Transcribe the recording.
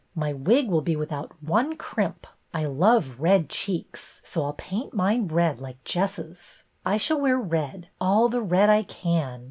My wig will be without one crimp. I love red cheeks, so I 'll paint mine red like Jess's. I shall wear red, all the red I can.